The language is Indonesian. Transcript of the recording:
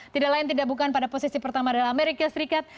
tidak lain tidak bukan pada posisi pertama adalah amerika serikat